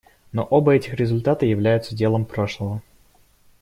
Но оба этих результата являются делом прошлого.